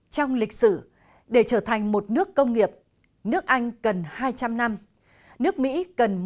trong lịch sử để trở thành một nước công nghiệp nước anh cần hai trăm linh năm nước mỹ cần một trăm hai mươi năm